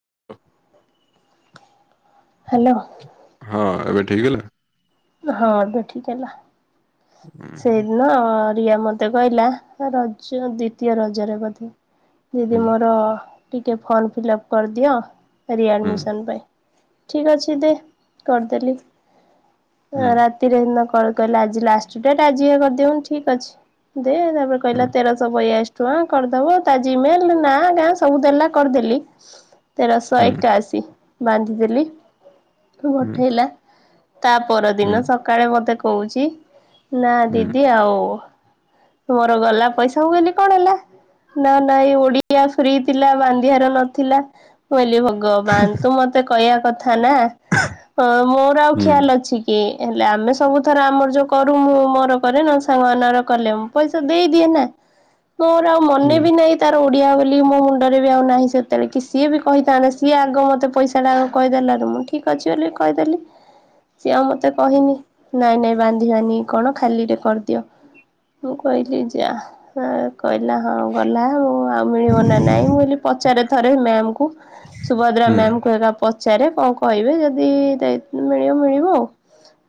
[inaudible] Hello. ହଁ ଏବେ ଠିକ୍ ହେଲା? ହଁ ଏବେ ଠିକ୍ ହେଲା ହୁଁ ସେଇଦିନ ରିଆ ମତେ କହିଲା ରଜ ଦ୍ଵିତୀୟ ରଜରେ ବଧେ ହୁଁ ଦିଦି ମୋର ଟିକେ ଫର୍ମ ଫିଲପ୍ କରିଦିଅ ହୁଁ ରିଆଡ଼ମିସନ୍ ପାଇଁ। ଠିକ୍ ଅଛି ଦେ କରିଦେଲି ହୁଁ ରାତିରେ ଏନା କଣ କହିଲା ଆଜି ଲାଷ୍ଟ ଡେଟ୍ ଆଜି ଇଏ କରିଦିଅ ମୁଁ ଠିକ୍ ଅଛି ଦେ ତାପରେ କହିଲା ହୁଁ ତେରଶ ବୟାଶ୍ ଟୁଆଁ କରିଦବ ତା ଜିମେଲ୍ ନାଁ ଗାଁ ସବୁ ଦେଲା କରିଦେଲି। ତେରଶ ହୁଁ ଏକାଅଶୀ ବାନ୍ଧିଦେଲିି ହୁଁ ବଠେଇଲା। ତା ହୁଁ ପରଦିନ ସକାଳେ ମତେ କହୁଚି ନାଁ ହୁଁ ଦିଦି ଆଉ ତୁମର ଗଲା ପଇସା ମୁଁ କହିଲି କଣ ହେଲା? ନାଁ ନାଇଁ ଓଡ଼ିଆ ଫ୍ରୀ ଥିଲା ବାନ୍ଧିବାର ନଥିଲା। କହିଲି ଭଗବାନ ତୁ ମତେ କହିବା କ ଥା ନାଁ ଅ ମୋର ଆଉ ହୁଁ ଖିଆଲ ଅଛି କି ହେଲେ ଆମେ ସବୁ ଥର ଆମର ଯୋଉ କ ରୁ ମୁଁ ମୋର କରେ ନଲେ ସାଙ୍ଗମାନଙ୍କର କଲେ ମୁଁ ପଇସା ଦେଇଦିଏ ନାଁ। ମୋର ଆଉ ମନେ ହୁଁ ବି ନାହିଁ ତାର ଓଡ଼ିଆ ବୋଲି ମୋ ମୁଣ୍ଡରେ ବି ଆଉ ନାହିଁ ସେତଳେ କି ସିଏ ବି କହିଥାନ୍ତା ସିଏ ଆଗ ମୋତେ ପଇସାଟା ଆଗ କହିଦେଲାରୁ ମୁଁ ଠିକ୍ ଅଛି ବୋଲି କହିଦେଲି। ସିଏ ଆଉ ମତେ କହିନି ନାଇଁ ନାଇଁ ବାନ୍ଧିବାନି। କଣ ଖାଲିରେ କରିଦିଅ ମୁଁ କହିଲି ଯା ହେ କହିଲା ହଁ ଗଲାହାରୁ ଆଉ ମିଳିବ ନାଁ ନାଇଁ ମୁଁ କହିଲି ପଚାରେ ଥରେ ମ୍ୟାମ୍ ଙ୍କୁ ଶୁବା ରା ହୁଁ ମ୍ୟାମ୍ କୁ ଏକା ପଚାରେ କଣ କହିବେ ଯଦି ଦାଇତ୍ ମିଳିବ ମିଳିବ ଆଉ।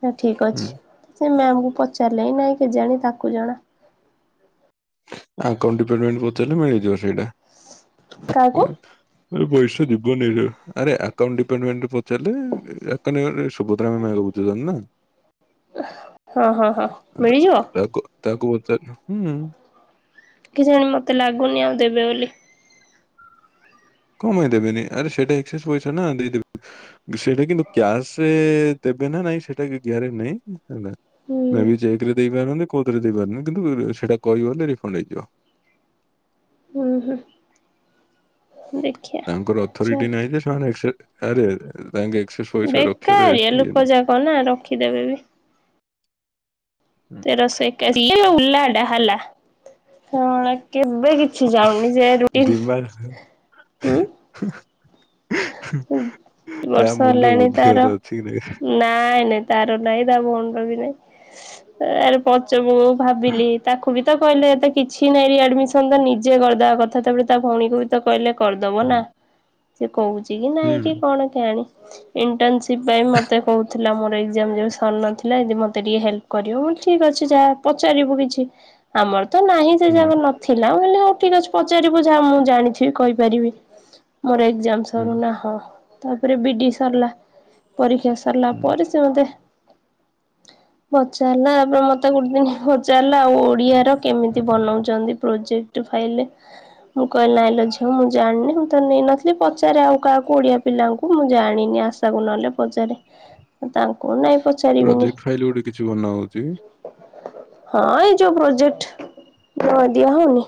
ହେ ଠିକ୍ ହୁଁ ଅଛି ସେ ମ୍ୟାମକୁ ପଚାରିଲେ ନାଇଁ କେଜାଣି ତାକୁ ଜଣା ଆଉକାଉଣ୍ଟ୍ ଡିପାର୍ଟମେଣ୍ଟ୍ କୁ ପଚାରିଲେ ମିଳିଯିବ ସେଇଟା। କାହାକୁ? ଇଏ ପଇସା ଦବନେଇ କା ଆରେ ଆ କାଉଣ୍ଟ୍ ଡିପାର୍ଟମେଣ୍ଟ୍ ରେ ପଚାରିଲେ ଆକାଉଣ୍ଟ୍ ଡିପାର୍ଟମେଣ୍ଟ୍ ସୁଭଦ୍ରା ମ୍ୟାମ୍ ପା ଏବେ ବୁଝୁଚନ୍ତି ନାଁ। ହଁ ହଁ ହଁ ତା- ମିଳିଯିବ? ତାକୁ ତାକୁ ପଚାର ହୁଁ। କି ଜାଣି ମତେ ଲାଗୁନି ଆଉ ଦେବେ ବୋଲି। କମାଇଁ ଦେବେନି ଆରେ ସେଇଟା ଏକ୍ସେସ୍ ପଇସା ନାଁ ଦେଇଦେବେ। ବେ ସେଇଟା କିନ୍ତୁ କ୍ୟାସେ ଦେ ଦେବେ ନା ନାଇଁ ସେଟା ବି ଗ୍ୟାରେଣ୍ଟି ନାହିଁ ହେଲା ହୁଁ ମେ ବି ଚେକ୍ ରେ ଦେଇପାରନ୍ତି କୋଉଥିରେ ଦେଇପାରନ କିନ୍ତୁ ସେଟା କହିବ ବୋଲେ ରିଫଣ୍ଡ୍ ହେଇଯିବ। ହୁଁ ହୁଁ। ଦେଖିଆ। ତାଙ୍କର ଅଥରିଟି ପଚାରିଲେ ନାହିଁ ଯେ ସେମାନେ ଏକ୍ସ ଆରେ ଆରେ ଆରେ ବ୍ୟାଙ୍କ୍ ଏକକ୍ସ୍ ପଇସା ରଖେରେ ବେକାରିଆ ଲୋକ ଇଏ ନାହିଁ। ଯାକ ନା ରଖିଦେବେ ତେରସ ଏକାଅଶି [unintelligible] ହେଲା ଏଟା ହେଲା ହଁ ଳେ କେବେ କିଛି ଯାଉନି ଯେ ରୁଟିନ୍ ଉଁ ହଁ ବର୍ଷ ମୁଣ୍ଡରେ ହେଲାଣି ତାର ବୁଦ୍ଧିମତା ଅଛି କି ନାହିଁ। ନାଇଁ ନାଇଁ ତାର ନାଇଁ ତା ଭୋ କହିବିନି ଆରେ ପଚମ ମୁଁ ଭାବିଲି ତାକୁ ବି ତ କହିଲେ ଏତେ କିଛି ନାଇଁ ଆଡମିଶନ୍ ତ ନିଜେ କରିଦବା କଥା ତାପରେ ତା ଭଉଣୀକୁ ବି ତ କହିଲେ। କରିଦବ ନା ହୁଁ ସେ କହୁଛି କି ହୁଁ ନାଇଁ କି କଣ କେଜାଣି ଇନଟନ୍ ସିପ ସେଥିପାଇଁ ମୋତେ କହୁଥିଲା ମୋର ଏକ୍ସଜାମ୍ ଯଉ ସରି ନଥିଲା ଦି ମୋତେ ମତେ ଟିକେ ହେଲ୍ପ୍ କରିବ ମୁଁ ଠିକ୍ ଅଛି ଯାହା ପଚାରିବୁ କିଛି ଆମର ତ ନାହିଁ ସେ ଯାକ ହୁଁ ନଥିଲା ହଉ ଠିକ ଅଛି ପଚାରିବୁ ଯାହା ମୁଁ ଜାଣିଥିବି କହିପାରିବି ମୋର ଏକ୍ସଜାମ୍ ନା ହଁ ତାପରେ ବିଡି ସରିଲା ପରୀକ୍ଷା ସରିଲା ହୁଁ ପରେ ସେ ମୋତେ ପଚାରିଲା ଆପଣ ମତେ ଗୋଟେ ଦିନ୍ ଭଜା ହେଲା ଓଡିଆର କେମିତି ବନାଉଛନ୍ତି ପ୍ରୋଜେକ୍ଟ ଟୁ ଫାଇଲେ ମୁଁ କହିଲି ନାଇଁଲୋ ଝିଅ ମୁଁ ଜାଣିନି ମୁଁ ତ ନେଇ ନଥିଲି ପ ପଚାରେ ଆଉ କାହାକୁ ଓଡ଼ିଆ ପିଲାଙ୍କୁ ମୁଁ ଜାଣିନି ଆଶାକୁ ନହେଲେ ପଚାରେ। ତାଙ୍କୁ ନାଇଁ ପଚାରିବିନି ପ୍ରୋଜେକ୍ଟ ଫାଇଲ ଗୋଟେ କିଛି ବନା ହଉଛି ହଁ ଏଇ ଯୋଉ ପ୍ରୋଜେକ୍ଟ୍ ଧ ଦିଆ ହଉନି?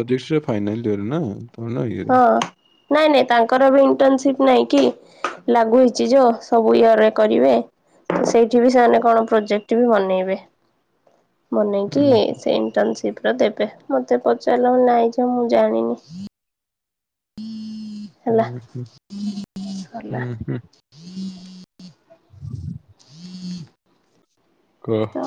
ଯଦି ସେ ଫାଇନାଲ୍ ୟିଅର୍ ନା ତାମାନେ ଇଏ। ହଁ ନାଇଁ ନାଇଁ ତାଙ୍କର ବି ଇଣ୍ଟନ୍ ସିପ୍ ନାଇଁ କି ଲାଗୁ ହେଇଛି ଯ ସବୁ ୟିଅର୍ ରେ କରିବେ ସେଇଠି ବି ସେମାନେ କଣ ପ୍ରୋଜେକ୍ଟ୍ ବି ବନେଇବେ। ମନେ ହୁଁ କି ସେ ଇନଟନସିପ ର ଦେବେ ମତେ ପଚାରିଲ ନାଇଁ ଯେ ମୁଁ ଜାଣିନି। ହୁଁ ହେଲା ହୁଁ ହୁଁ ହେଲା। ହୁଁ ହଁ କହ ତ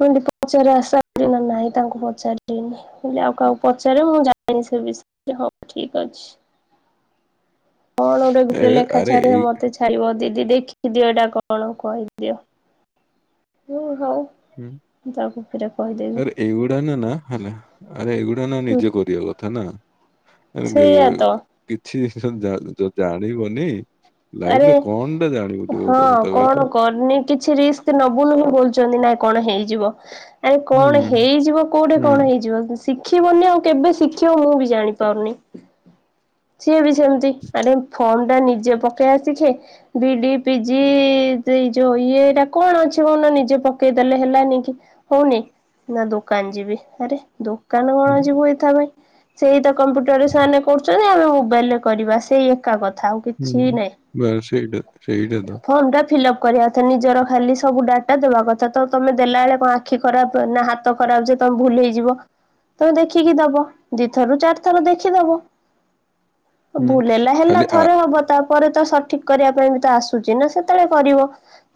ମୁଁ କଇଲି ପଚାରିଆ ସାରିନ ନାଇଁ ତାଙ୍କୁ ପଚାରିନି ମୁଁ କଇଲି ଆଉ କାହାକୁ ପଚାରିବ ମୁଁ ଜାଣିଚି। [inaudible] ହଉ ଠିକ ଅଛି କଣ ଗୋଟେ ଗ୍ରୁପ୍ ଏ ରେ ଲେଖା ଆରେ ଛାଡ଼ିରେ ଏଇ ମତେ ଛାଡ଼ିବ ଦି ଟି ଦେଖିକି ଦିଅ ଏଇଟା କଣ କହିଦିଅ ହ ହଉ। ହୁଁ ମୁଁ ତାକୁ ଫେରେ କହିଦେବି ଆରେ ଏଉଡ଼ା ନା ନା ହେଲା ଆରେ ଏଉ ନା ନା ହୁଁ ନିଜେ କରିବା କଥା ନା ସେଇଆ ତ [inaudible] କିଛି [inaudible] ଯଦି ଜାଣିବନି ଲାଇଫ ଆରେ ରେ କଣ ଟା ଜାଣିବୁ ଟିକେ ହଁ ମୋତେ ସତ କଣ କହିଲ? କରନି କିଛି ରିସ୍କ ନବୁନି ବଲୁଛନ୍ତି ନା କଣ ହେଇଯିବ ଆରେ କଣ ହୁଁ ହେଇଯିବ କୋଉଠି ହୁଁ କଣ ହେଇଯିବ? ଶିଖିବାନି ଆଉ କେବେ ଶିଖିବା ମୁଁ ବି ଜାଣିପାରୁନି ସିଏ ବି ସେମତି ଆଡ଼େ ଫର୍ମ୍ ଟା ନିଜେ ପ କେ ଆସିଛେ ବିଡ଼ି, ପି ଜି, ସେଇ ଯୋଉ ଇଏ ଇଟା କଣ ଅଛି କହନି ନିଜେ ପକେଇ ଦେଲେ ହେଲାନି କି ହୋଉନି ନାଁ ଦୋକାନ ଯିବି ଆରେ ଦୋ କାନ କଣ ହୁଁ ଯିବୁ ଏଇକାଳେ ସେଇ ତ କମ୍ପ୍ୟୁଟରରେ ସେମାନେ କରୁଚନ୍ତି ଆମେ ମୋବାଇଲ୍ ରେ କରିବା ସେଇ ଏକା କଥା ଆଉ ହୁଁ କିଛି ନାଇଁ। ବାସ୍ ସେଇଟା ସେଇଟା ତ। ଟା ଫିଲ୍ଅପ୍ କରିବା କଥା ନିଜର ଖାଲି ସବୁ ଡାଟା ଦବା କଥା ତ ତମେ ଦେଲାଏଳେ କଁ ଆଖି ଖରାପ ହୁଏ ନାଁ ହାତ ଖରାପ୍ ଯେ ତମ ଭୁଲ ହେଇଯିବ। ତମେ ଦେଖିକି ଦବ ଦିଥରରୁ ଚାରିଥର ଦେଖିଦବ। ହୁଁ। ଭୁଲ ହେଲା ହେଲା ଖାଲି ଆ ଥରେ ହବ ତାପରେ ତ ସଠିକ୍ କରିବା ପାଇଁ ବି ତ ଆସୁଚି ନାଁ ସେତଳେ କରିବ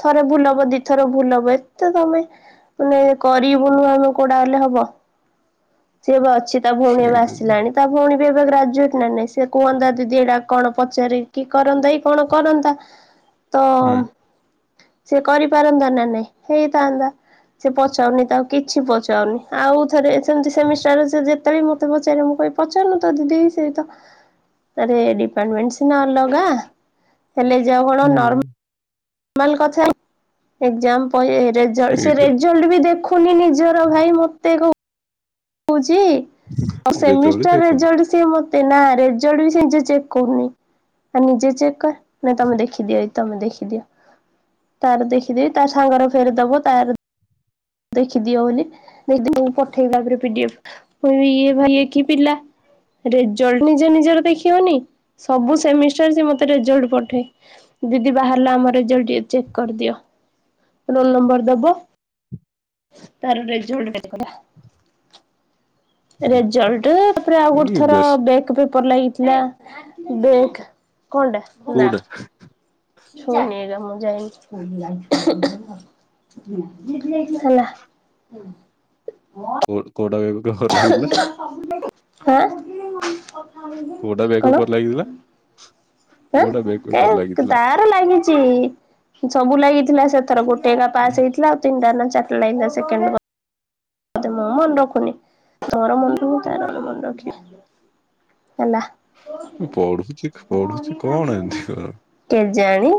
ଥରେ ଭୁଲ ହବ ଦିଥର ଭୁଲ ହବ ଏତେ ତ ତମେ ମାନେ କରିବୁନୁ ଆମେ କୋଉଟା ହେଲେ ହବ? ସିଏ ବା ସିଏ ତା ଭୋଉଣୀ ଏବେ ସେଇଟା ତ ଆସିଲାଣି ତା ଭୋଉଣୀ ସିଏ ଏବେ ଗ୍ରାଜୁଏଟ୍ ନାଁ ନାହିଁ ସେ କୁହନ୍ତା ଦିଦି ଏଟା କଣ ପଚାରେ କି କ କରନ୍ତା କି କଣ କରନ୍ତା ତ ହୁଁ ସେ କରିପାରନ୍ତା ନାଁ ନାଇଁ ହେଇଥାନ୍ତା। ସେ ପଚାରୁନି ତାକୁ କିଛି ପଚାରୁନି ଆଉ ଥରେ ସେମତି ସେମିଷ୍ଟାର୍ ରେ ସିଏ ଯେ ତା ବି ମତେ ପଚାରେ ମୁଁ କହିବି ପଚାରୁନୁ ତୋ ଦିଦିକି ସିଏ ତ ଆରେ ଡିପାର୍ଟମେଣ୍ଟ୍ ସିନା ଅଲ ହେଲେ ଯା କଣ ହୁଁ ନର୍ ମାଲ କଥାରେ ଏକ୍ଜାମ୍ କହିବେ ରେଜଲ୍ଟ ସେ ସେଇଟା ତ ରେଜଲ୍ଟ ବି ଦେଖୁନି ନିଜର ଭାଇ ମତେ କ କି ରେଜଲ୍ଟ ସେମିଷ୍ଟାର ଦେଖୁନି। ରେଜଲ୍ଟ ସିଏ ମତେ ଏ ନା ରେଜଲ୍ଟ ବି ସେ ନିଜେ ଚେକ୍ କରୁନି ଆଉ ନିଜେ ଚେକ୍ କର ତମେ ଦେଖିଦିଅ। ତମେ ଦେଖିଦିଅ ତାର ଦେଖିଦେବି ତା ସାଙ୍ଗରେ ଫେରେ ଦବ ତାର ଦେଖିଦିଅ ବୋଲି ଦିଦିଙ୍କୁ ପଠେଇଲା ପରେ ପିଡିଏଫ୍ କହିବି ଭାଇ କି ପିଲା। ରେଜଲ୍ଟ ନିଜେ ନିଜର ଦେଖିବନି ସବୁ ସେମିଷ୍ଟାର ସେ ମତେ ରେଜଲ୍ଟ ପଠାଏ। ଦିଦି ବାହାରିଲା ଆମ ରେଜଲ୍ଟ ଟିକେ ଚେକ୍ କରିଦିଅ ରୋଲ ନମ୍ବର ଦବ। ତାର ରେଜଲ୍ଟ ଦେଖିବା। ହୁଁ ରେଜଲ୍ଟ ତାପରେ ଆଉ ଗୋଟେ ଆରେ ଥର ବେଶ ବେକ୍ ପେପ ପେପରେ ଲାଗିଥିଲା ବେକ୍ କଣଟା ନା। କୋଉଟା ଛୁଇଁନି ଏଟା ମୁଁ ଯାଇନି ହେଲା। କୁହନ୍ତୁ କୋଉଟା କହିବୁ? ହାଁ କୋଉଟା ବେକଅପ୍ କଣ? ଲାଗିଥିଲା ଆଁ କୋଉଟା ବେକଅପ୍ କାଇଁ ଲାଗିଥିଲା? ତାର ଲାଗି ଚି ସବୁ ଲାଗିଥିଲା ସେଥର ଗୋଟେ ଏକା ପାସ୍ ହୁଁ। ହେଇଥିଲା ଆଉ ତିନିଟା ନା ଚାରିଟା ଲାଗିଥିଲା ସେକେଣ୍ଡ ପେ ନ୍ତୁ ମୁଁ ମନେ ରଖୁନି ତୋର ମନେ ରହୁ ତାର ମନ ରଖିବ। ପଢୁଛି-ପଢୁଛି। କେଜାଣି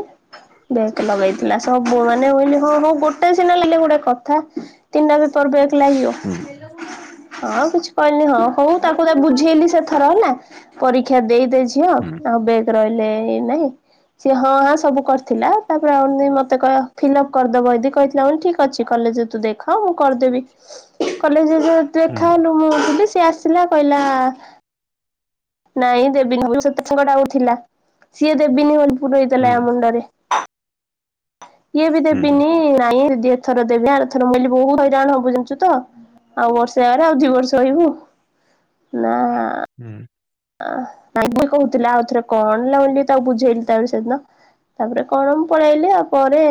ବେକ୍ ଲଗେଇ ଥିଲା ସବୁ ମାନେ କହିଲେ ହଁ ହଉ ଗୋଟେ ସିନା ନେଲେ ଗୋଟେ କଥା ତିନିଟା ତୋର ବେକ ଲାଗିବ। ହୁଁ ହଁ କିଛି କହିଲିନି ହଁ କହୁ ତାଙ୍କୁ ତ ବୁଝେଇଲି ସେଥର ହେଲା ପରୀକ୍ଷା ଦେଇ ଦେ ଝିଅ ହୁଁ ଆଉ ବେକ ରହିଲେ ନାହିଁ। ସିଏ ହଁ ହାଁ ସବୁ କରିଥିଲା ତାପରେ ଅନି ମତେ କହି ଫିଲଅପ୍ କରିଦବ ଏଇଦି କହିଥିଲା ଠିକ ଅଛି କ କହିଲେ ଯେ ତୁ ଦେଖ ମୁଁ କରିଦେବି କଲେଜ୍ ଇଏ ହୁଁ ଦେଖାହେଲୁ ମୁଁ ଥିଲି ସିଏ ଆସିଲା କହିଲା ନାଇଁ ଦେବିନି [unintelligible] ଥିଲା ସିଏ ଦେବିନି ହୁ। ପୁରେଇ ହୁଁ ଦେଲା ୟା ମୁଣ୍ଡରେ। ଇଏ ବି ହୁଁ ଦେବିନି ନାଇଁ ଯଦି ଏଥର ଦେବି ଆ ଥର ମିିଲି ବହୁତ ହଇରାଣ ହବୁ ଜାଣିଛୁ ତ‌। ଆଉ ବର୍ଷେ ଜାଗାରେ ଆଉ ଦୁଇ ବର୍ଷ ରହିବୁ ନା ହୁଁ। [unintelligible] କହୁଥିଲ ଆଉ ଥରେ କଣ ହେଲା ବୋଲି ତାକୁ ବୁଝେଇଲି ତାକୁ ସେଦିନ। ତାପରେ କଣ ମୁଁ ପଳେଇଲି ଆଉ ପରେ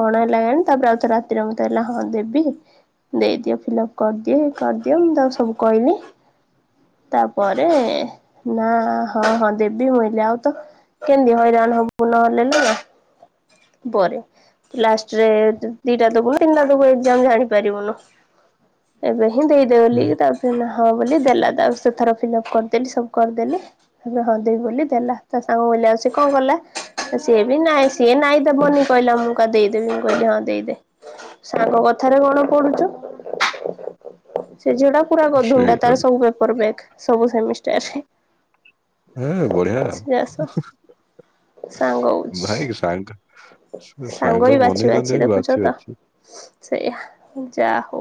କଣ ହେଲା ତାପରେ ଆଉଥ ରାତିରେ ମୋତେ କହିଲା ହଁ ଦେବି। ଦେଇଦିଅ ଫିଲ୍ଅପ କରିଦିଅ କରିଦିଅ ମୁଁ ତା ସବୁ କହିଲି। ତାପରେ ନା ହଁ-ହଁ ଦେବି ମୁଇଲି ଆଉ ତ କେମିତି ହଇରାଣ ହବୁ ନହେଲେ ନା ପରେ ଲାଷ୍ଟରେ ଦିଟା ତକୁନ ତିନିଟା ତକୁ ଏକ୍ଜାମ ଜାଣିପାରିବୁନୁ ଏବେ ହିଁ ଦେଇଦେ ବୋଲି ହୁଁ ତା ହଁ ବୋଲି ଦେଲା ତା ସେଥର ଫିଲ୍ଅପ୍ କରିଦେଲି ସବୁ। କରିଦେଲି ଏବେ ହଁ ଦେବୀ ବୋଲି ଦେଲା ତା ସାଙ୍ଗ କିଲ ଆଉ ସ କଣ କଲା? ସିଏ ବି ନାଇଁ ସିଏ ନାଇଁ ଦେବନି କହିଲା ମୁଁ କ ଦେଇଦେବି ମୁଁ କହିଲି ହଁ ଦେଇଦେ। ସାଙ୍ଗ କଥାରେ କଣ ପଡୁଛୁ? ସେ ଝିଅଟା ପୁରା ଗଧୁଣିଟା ସେଇଟା ତ ତାର ସବୁ ପେପର ବ୍ୟାକ୍ ସବୁ ସେମିଷ୍ଟାର ରେ। ହଁ ବଢିଆ ଆଉ। ଯାସ ସାଙ୍ଗ ହଉଛି ଭାଇ ସାଙ୍ଗ ସାଙ୍ଗ-ସାଙ୍ଗ ବି ବାଛି ବାଛି ମନେଇଛନ୍ତି ଦେଖୁଛ ତ। ବାଛି-ବାଛି। ସେଇଆ। ଯା ହଉ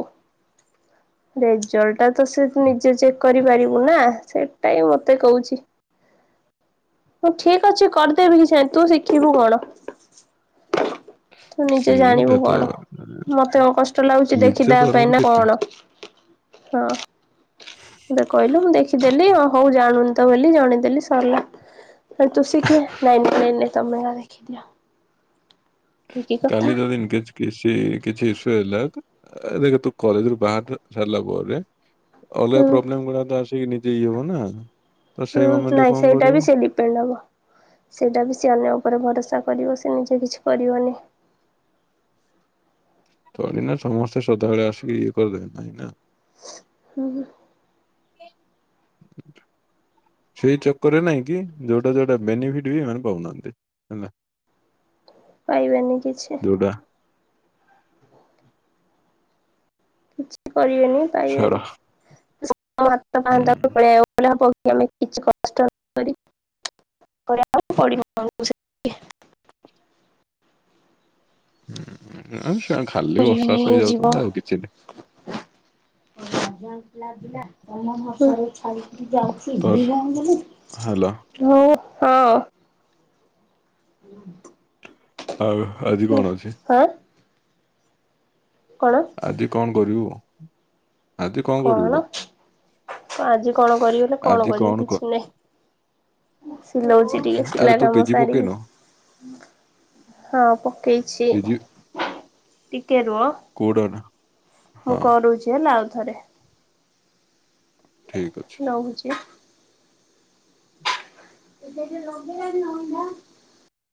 ରେଜଲ୍ଟ ଟା ତ ସେ ନିଜ ଚେକ୍ କରିପାରିବୁ ନା ସେଇଟା ହି ମତେ କହୁଛି। ହଁ ଠିକ ଅଛି କରିଦେବି କି ତୁ ଶିଖିବୁ କଣ? ତୁ ନିଜେ ସେଇଟା ଜାଣିବୁ ତ କଣ ମତେ ଆଉ କଷ୍ଟ ଲାଗୁଛି ନିଜ ଦେଖିଦବା ପାଇଁ ତରଫରୁ ନା କିଛି କଣ? ହଁ ଏବେ କହିଲୁ ମୁଁ ଦେଖିଦେଲି ହଉ। ଜାଣନୁ ତ ବେଲି ଜଣେଇ ଦେଲି ସଇଲା। ଫେରେ ତୁ ସି କିଏ ନାଇରେ ନାଇରେ ତମେ ଅ ଆ ଲେଖି ଦିଅ। କାଲି ଯଦି ଇନକେସ କିସି କିଛି ଇଶୁ ହେଲା। ଦେଖ ତୁ କଲେଜ ରୁ ବାହାରି ତ ସାରିଲା ପରେ ଅଲଗା ହୁଁ ପ୍ରୋବଲେମ ଗୁଡା ତ ଆସି ସିକି ନିଜେ ଇଏ ହବ ନା। ତ ହୁଁ ସେଇ ମୋମେଣ୍ଟରେ ନାଇଁ କଣ ସେଇଟା କରିବୁ ବି ସେ ଡିପେଣ୍ଡ ହବ ସେଇଟା ବି ସେ ଅନ୍ୟ ଉପରେ ଭରସା। କରିବ ସେ ନିଜେ କିଛି କରିବନି। ଥୋଡି ନା ସମସ୍ତେ ସଦାବେଳେ ଆସିକି ଇଏ କରିଦେବେ ନାଇଁ ନା। ହୁଁ। ସେଇ ଚକରେ ନାଇଁ କି ଯୋଉଟା ଯୋଉଟା ବେନିଫିଟ ବି ଏମାନେ ପାଉନାହାନ୍ତି ହେଲା। ପାଇବେନି କିଛି। ଯୋଉଟା କିଛି କରିବେନି ଛାଡ ପାଇବେନି ସବୁ ହାତ ହୁଁ ପାହାନ୍ତା କୁ ପଳେଇ ଆସିବ ନା କଣ। ଆମେ କିଛି କଷ୍ଟ ନ କରି। [unintelligible] ହଁ ଆଉ ସେ ଖାଲି କରିବନି ବର୍ଷାଷ ହେଇ ହେଇଯିବ ଯାଉଛନ୍ତି ଆଉ କିଛି ନାହି। [unintelligible] ତୋର ହେଲା [unintelligible] ହଁ। ଆଉ ଆଜି କଣ ଅଛି। ହଁ କଣ ଆଜି କଣ କରିବୁ ଆଜି କଣ କରିବୁ ତ। ଆଜି କଣ କରିବି ନା କଣ କରିବି କିଛି ନହିଁ। ସିଲଉଛି ଟିକେ ସିଲା ଆରେ ତୁ କାମ ପିଜି ସାରିବି। ପକେଇନୁ ହଁ ପକେଇଛି। ପିଜି ଟିକେ ରୁଅ କୋଉଟା ମୁଁ ହଁ କରୁଛି ହେଲା ଆଉ ଥରେ ଠିକ ଅଛି ନଉଛି। [unintelligible]